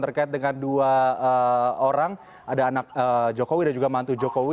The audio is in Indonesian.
terkait dengan dua orang ada anak jokowi dan juga mantu jokowi